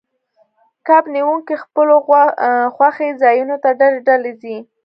کب نیونکي خپلو خوښې ځایونو ته ډلې ډلې ځي